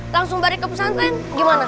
langsung balik ke pesantren gimana